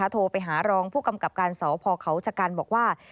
โทรไปหารองผู้กำกับการสพเขาชะกันบอกว่า